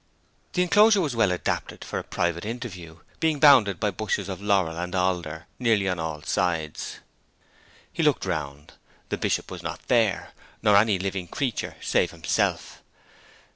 The inclosure was well adapted for a private interview, being bounded by bushes of laurel and alder nearly on all sides. He looked round; the Bishop was not there, nor any living creature save himself.